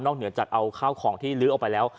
เหนือจากเอาข้าวของที่ลื้อออกไปแล้ว